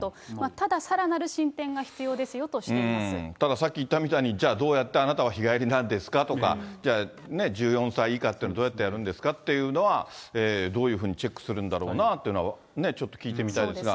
たださらなる進展が必たださっき言ったみたいに、じゃあ、どうやってあなたは日帰りなんですかとか、じゃあ、１４歳以下っていうのはどうやってやるんですかっていうのは、どういうふうにチェックするんだろうなっていうのは、ちょっと聞いてみたいですが。